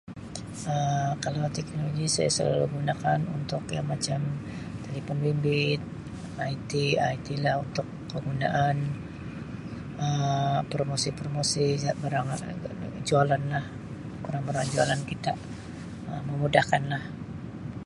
Um Kalau teknologi saya selalu gunakan untuk yang macam telefon bimbit IT IT lah untuk kegunaan Um promosi-promosi barangan jualanlah barangan jualan kita Um memudahkan lah.